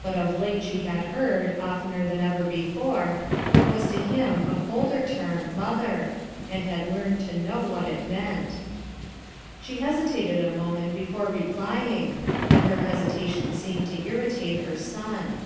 But of late she had heard, of tener than 17G THE GENERAL MANAGER 177 before what was to him a colder term , t [ ierj " and bad learned to know what it meant. She hesitated a moment before replying, and hesitation seemed to irritate her son.